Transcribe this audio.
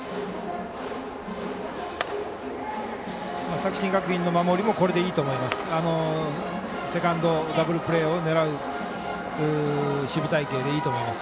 作新学院の守りもこれでいいと思います。